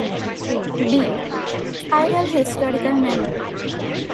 B. Tyrrell Historical Medal.